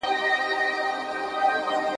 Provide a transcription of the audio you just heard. زموږ په مخکي ورځي شپې دي سفرونه `